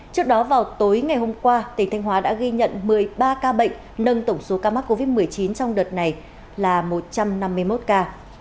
trước đó vào tối ngày hôm qua tỉnh thanh hóa đã ghi nhận một mươi ba ca bệnh nâng tổng số ca mắc covid một mươi chín trong đợt này là một trăm năm mươi một ca